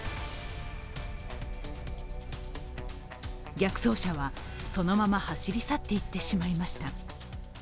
逆走車は、そのまま走り去っていってしまいました。